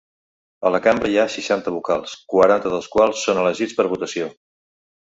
A la cambra hi ha seixanta vocals, quaranta dels quals són elegits per votació.